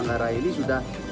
oke berarti kita optimis ya pak